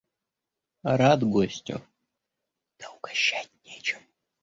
– Рад гостю, да угощать нечем.